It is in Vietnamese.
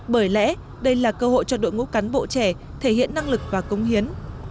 bởi lẽ đây là cơ hội cho đội ngũ cán bộ trẻ thể hiện năng lực và công hiến